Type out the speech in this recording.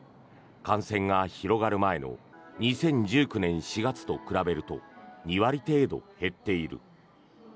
感染が広がる前の２０１９年４月と比べると２割程度減っている。